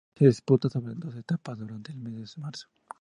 Se disputaba sobre dos etapas, durante el mes de marzo.